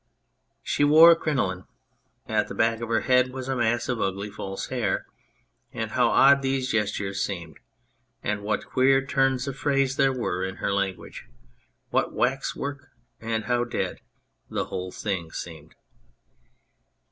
She wore a crinoline. At the back of her head was a mass of ugly false hair, and how odd these gestures seemed, and what queer turns of phrases there were in her language ! What waxwork, and how dead the whole thing seemed